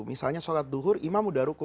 misalnya sholat duhur imam sudah ruku